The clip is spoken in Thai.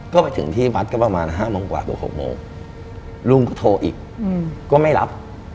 ก็ไปถึงที่วัดก็ประมาณ๕๖โมงลุงก็โทรอีกก็ไม่รับ